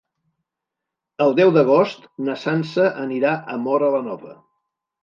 El deu d'agost na Sança anirà a Móra la Nova.